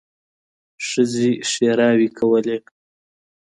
ښځې ښېراوې کولې.